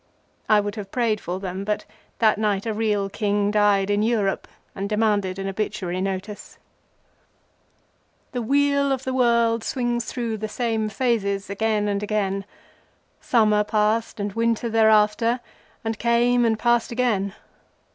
I would have prayed for them, but, that night, a real King died in Europe, and demanded an obituary notice. The wheel of the world swings through the same phases again and again. Summer passed and winter thereafter, and came and passed again.